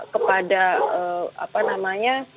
kepada apa namanya